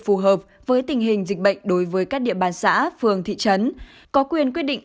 phù hợp với tình hình dịch bệnh đối với các địa bàn xã phường thị trấn có quyền quyết định